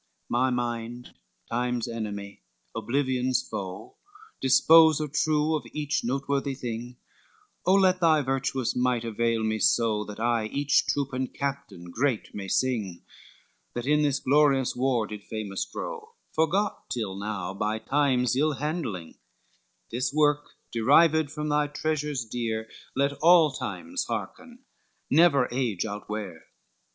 XXXVI My mind, Time's enemy, Oblivion's foe, Disposer true of each noteworthy thing, Oh, let thy virtuous might avail me so, That I each troop and captain great may sing, That in this glorious war did famous grow, Forgot till now by Time's evil handling: This work, derived from my treasures dear, Let all times hearken, never age outwear.